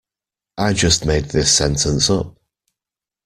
I just made this sentence up.